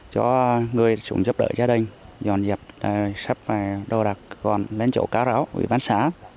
cho người chúng giúp đỡ gia đình dọn dẹp sắp đô đặc còn lên chỗ cá ráo vì bán xá